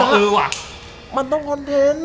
เหมือนว่ามันต้องคอนเทนต์